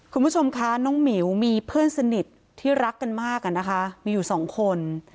คุณผู้ชมคะน้องหมิวมีเพื่อนสนิทที่รักกันมากอ่ะนะคะมีอยู่สองคน